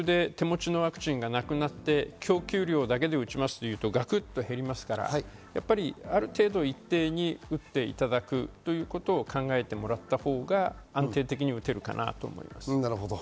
ものすごいスピードで打って、手持ちのワクチンがなくなって供給量だけで打ちますというとガクッと減りますから、ある程度、一定に打っていただくということを考えてもらったほうが安定的に打てるかなと思います。